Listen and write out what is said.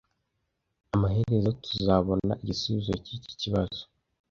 Amaherezo tuzabona igisubizo cyiki kibazo,